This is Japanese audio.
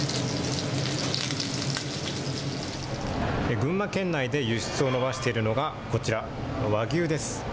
群馬県内で輸出を伸ばしているのがこちら、和牛です。